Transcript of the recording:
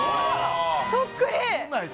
そっくり！